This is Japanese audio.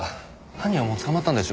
犯人はもう捕まったんでしょう？